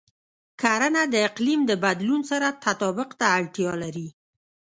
کرنه د اقلیم د بدلون سره تطابق ته اړتیا لري.